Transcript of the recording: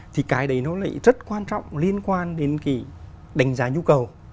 thì cái đấy nó lại rất quan trọng liên quan đến cái đánh giá nhu cầu